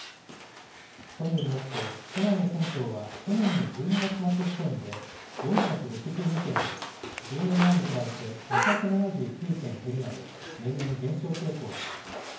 都によりますと、都内の銭湯は去年の１２月末時点で４６２軒と、１０年前に比べて２７９軒減るなど、年々減少傾向にあります。